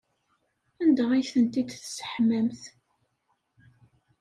Anda ay tent-id-tesseḥmamt?